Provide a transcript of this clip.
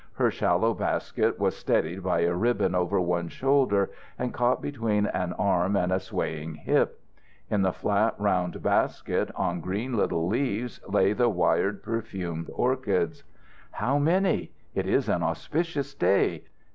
Her shallow basket was steadied by a ribbon over one shoulder, and caught between an arm and a swaying hip. In the flat, round basket, on green little leaves, lay the wired perfumed orchids. "How many? It is an auspicious day.